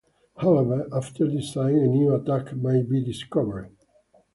However, after design, a new attack might be discovered.